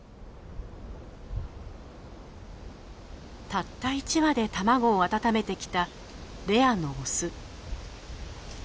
たった１羽で卵を温めてきたレアのオス。